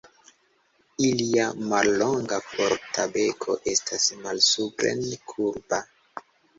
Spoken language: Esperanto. Ilia mallonga, forta beko estas malsupren kurba.